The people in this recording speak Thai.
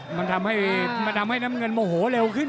มันทำให้น้ำเงินโมโหเร็วขึ้น